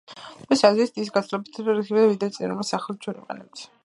სპეციალისტების აზრით, ის გაცილებით სწრაფი იქნება, ვიდრე წინა, რომელსაც ჩვენ ახლა ვიყენებთ.